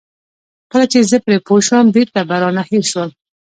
کله چې زه پرې پوه شوم بېرته به رانه هېر شول.